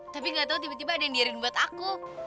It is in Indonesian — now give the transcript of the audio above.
tapi nggak tahu tiba tiba ada yang diharin buat aku